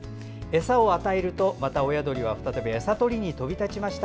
餌を与えると、親鳥は再び餌取りに飛び立ちました。